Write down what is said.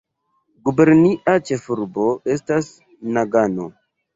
Gubernia ĉefurbo estas Nagano.